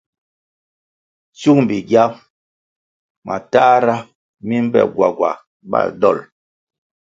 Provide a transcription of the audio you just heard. Tsyung bigya matahra mi mbe gwagwa bal dol.